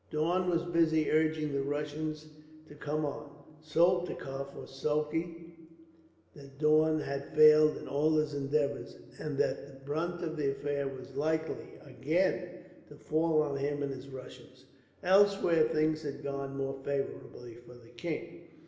Daun was busy urging the Russians to come on. Soltikoff was sulky that Daun had failed in all his endeavours, and that the brunt of the affair was likely, again, to fall on him and his Russians. Elsewhere things had gone more favourably for the king.